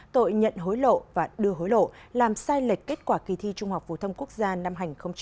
tội nhận hối lộ và đưa hối lộ làm sai lệch kết quả kỳ thi trung học phổ thông quốc gia năm hai nghìn một mươi tám